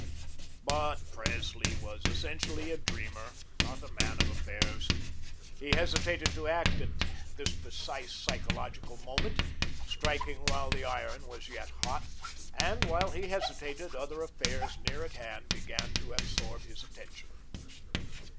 But Presley was essentially a dreamer, not a man of affairs. He hesitated to act at this precise psychological moment, striking while the iron was yet hot, and while he hesitated, other affairs near at hand began to absorb his attention.